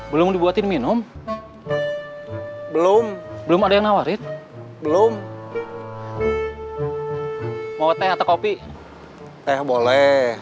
belum dibuatin minum belum belum ada yang nawarin belum mau teh atau kopi teh boleh